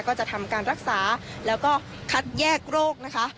ก็จะทำการรักษาแล้วก็คัดแยกโรคนะคะ